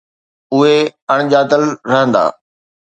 اهي اڻ ڄاتل رهندا.